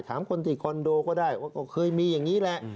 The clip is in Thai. ถามคนที่คอนโดก็ได้ว่าก็เคยมีอย่างนี้แหละ